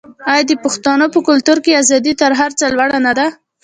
آیا د پښتنو په کلتور کې ازادي تر هر څه لوړه نه ده؟